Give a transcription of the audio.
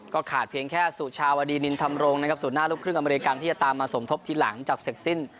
ขาดเพียงแค่สุชาวดีนินธรรมรงค์นะครับศูนย์หน้าลูกครึ่งอเมริกันที่จะตามมาสมทบทีหลังจากเสร็จสิ้น